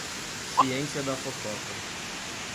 Ciência da fofoca